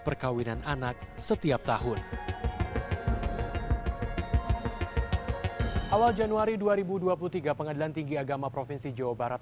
perkawinan anak setiap tahun awal januari dua ribu dua puluh tiga pengadilan tinggi agama provinsi jawa barat